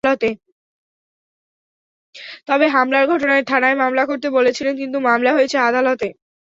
তবে হামলার ঘটনায় থানায় মামলা করতে বলেছিলেন, কিন্তু মামলা করা হয়েছে আদালতে।